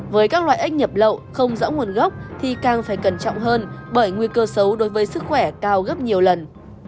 với các loại ếch nhập lậu không rõ nguồn gốc thì càng phải cẩn trọng hơn bởi nguy cơ xấu đối với sức khỏe cao gấp nhiều lần